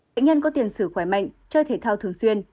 bệnh nhân có tiền sử khỏe mạnh chơi thể thao thường xuyên